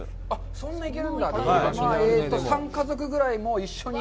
そんな、いけるんだ。